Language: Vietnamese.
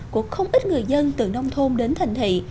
của không ít người dân từ nông thôn đến thành thị